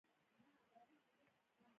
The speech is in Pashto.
کویلیو د صوفي فلسفې څخه الهام اخیستی دی.